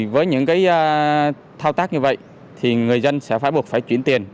với những thao tác như vậy thì người dân sẽ phải buộc phải chuyển tiền